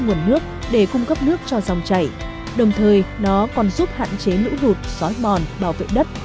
nguồn nước để cung cấp nước cho dòng chảy đồng thời nó còn giúp hạn chế lũ lụt xói mòn bảo vệ đất